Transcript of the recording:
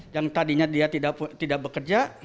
yang tadinya dia tidak bekerja